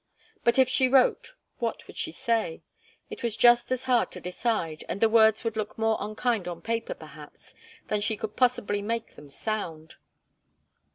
But if she wrote, what should she say? It was just as hard to decide, and the words would look more unkind on paper, perhaps, than she could possibly make them sound.